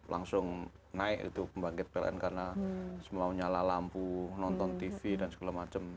langsung naik itu pembangkit pln karena semua nyala lampu nonton tv dan segala macam